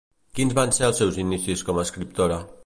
Quins van ser els seus inicis com a escriptora?